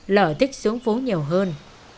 lờ thích xuống phố nhiều hơn